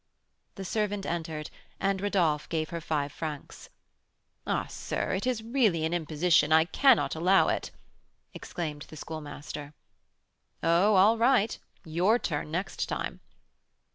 The servant entered, and Rodolph gave her five francs. "Ah, sir, it is really an imposition, I cannot allow it," exclaimed the Schoolmaster. "Oh, all right; your turn next time."